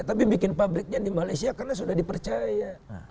tapi bikin pabriknya di malaysia karena sudah dipercaya